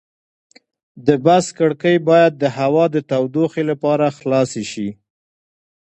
د بس کړکۍ باید د هوا د تودوخې لپاره خلاصې شي.